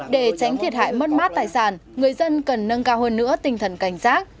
để tránh thiệt hại mất mát tài sản người dân cần nâng cao hơn nữa tinh thần cảnh giác